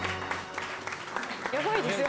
やばいですよ